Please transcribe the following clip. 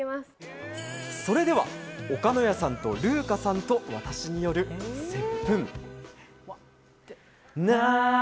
それでは、おかのやさんと、るーかさんと、私による『接吻』。